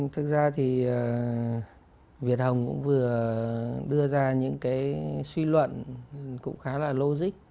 thực ra thì việt hồng cũng vừa đưa ra những cái suy luận cũng khá là logic